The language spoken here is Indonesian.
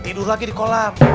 tidur lagi di kolam